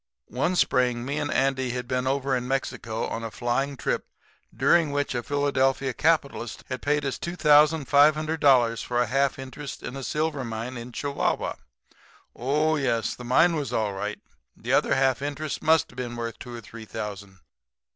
"One Spring me and Andy had been over in Mexico on a flying trip during which a Philadelphia capitalist had paid us $2,500 for a half interest in a silver mine in Chihuahua. Oh, yes, the mine was all right. The other half interest must have been worth two or three thousand.